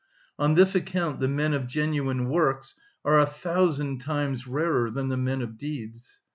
On this account the men of genuine works are a thousand times rarer than the men of deeds.